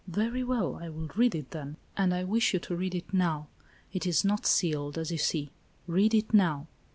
" Very well ; I will read it then." " And I wish you to read it now. It is not sealed, as you see. Read it now."